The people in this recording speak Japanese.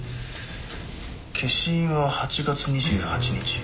消印は８月２８日。